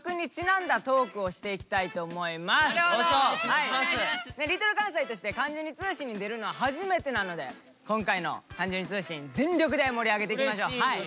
Ｌｉｌかんさいとして「関ジュニ通信」に出るのは初めてなので今回の「関ジュニ通信」全力で盛り上げていきましょう。